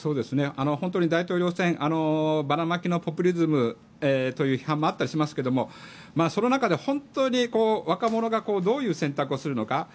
本当に大統領選ばらまきのポピュリズムという批判もあったりしますがその中で本当に若者がどういう選択をするのか。